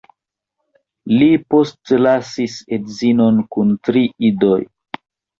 Li postlasis edzinon kun tri idoj.